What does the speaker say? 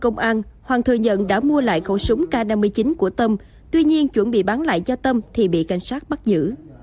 nhận đã mua lại khẩu súng k năm mươi chín của tâm tuy nhiên chuẩn bị bán lại cho tâm thì bị cảnh sát bắt giữ